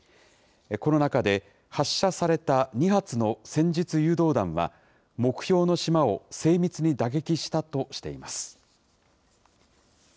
この中で、発射された２発の戦術誘導弾は、目標の島を精密に打撃したとしています。